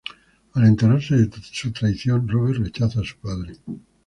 Al enterarse de su traición, Robert rechaza a su padre.